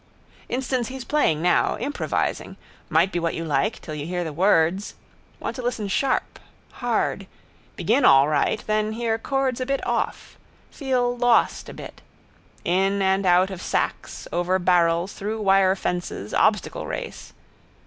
Instance he's playing now. Improvising. Might be what you like, till you hear the words. Want to listen sharp. Hard. Begin all right: then hear chords a bit off: feel lost a bit. In and out of sacks, over barrels, through wirefences, obstacle race.